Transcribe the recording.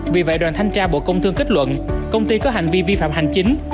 vì vậy đoàn thanh tra bộ công thương kết luận công ty có hành vi vi phạm hành chính